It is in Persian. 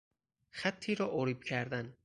خطی را اریب کردن